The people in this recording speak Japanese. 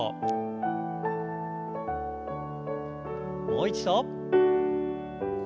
もう一度。